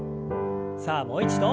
さあもう一度。